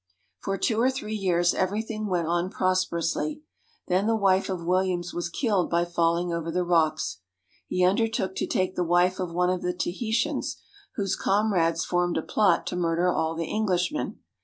For two or three years everything went on prosper ously. Then the wife of Williams was killed by falling over the rocks. He undertook to take the wife of one of the Tahitans, whose comrades formed a plot to mur der all the Englishmen.